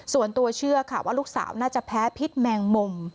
ส่วนตัวเชื่อค่ะว่าลูกสาวน่าจะแพ้พิษแมงมุม